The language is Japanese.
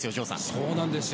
そうなんですよ。